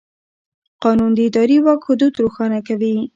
قانون د اداري واک حدود روښانه کوي.